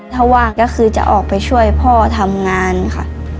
ถ้าว่างก็คือจะออกไปช่วยพ่อทำงานค่ะ